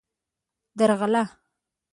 _درغله.